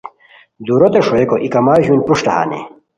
دُوروتے ݰوئیکو ای کما ژون پروشٹ ہانی